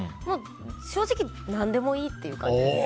正直、何でもいいっていう感じです。